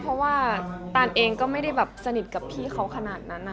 เพราะว่าตานเองก็ไม่ได้แบบสนิทกับพี่เขาขนาดนั้น